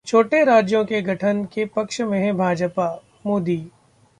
छोटे राज्यों के गठन के पक्ष में है भाजपाः मोदी